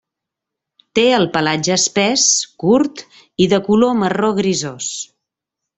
Té el pelatge espès, curt i de color marró grisós.